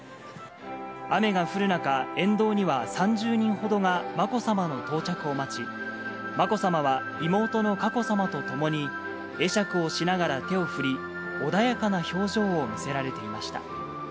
雨が降る中、沿道には３０人ほどがまこさまの到着を待ち、まこさまは妹の佳子さまと共に、会釈をしながら手を振り、穏やかな表情を見せられていました。